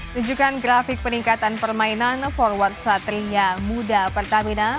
tunjukkan grafik peningkatan permainan forward satria muda pertamina